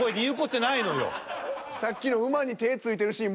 さっきの馬に手ついてるシーン